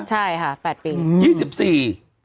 ใช่ค่ะ๘ปีอืมอืมอืมอืมอืม